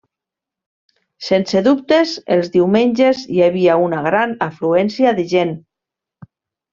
Sense dubtes els diumenges hi havia una gran afluència de gent.